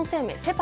・パ